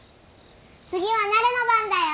次はなるの番だよ。